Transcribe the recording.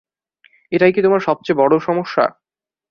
এটাই কি তোমার সবচেয়ে বড় সমস্যা?